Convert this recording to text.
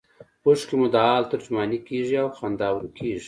اوښکې مو د حال ترجمانې کیږي او خندا ورکیږي